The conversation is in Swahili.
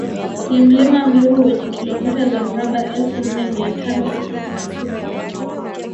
Ni mlima Meru wenye kilomita za mraba elfu nne mia tano sitini na sita